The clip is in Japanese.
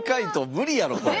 無理やろこれ。